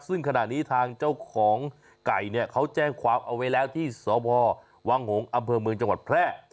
ซึ่งขณะนี้ทางเจ้าของไก่เนี่ยเขาแจ้งความเอาไว้แล้วที่สพวังหงษ์อำเภอเมืองจังหวัดแพร่